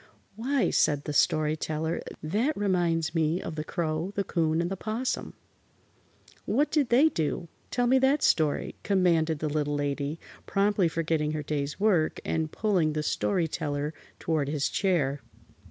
"Why," said the Story Teller, "that reminds me of the Crow, the 'Coon and the 'Possum." "What did they do? Tell me that story," commanded the Little Lady, promptly forgetting her day's work and pulling the Story Teller toward his chair.